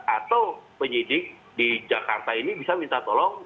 atau penyidik di jakarta ini bisa minta tolong